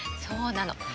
そうなの。